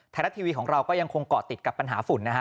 ไทยรัฐทีวีของเราก็ยังคงเกาะติดกับปัญหาฝุ่นนะฮะ